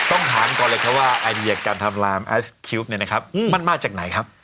ต้องถามก่อนเลยแท้ว่าไอเดียการทำลามไอซ์คิวบ์มั่นมากจากไหนครับ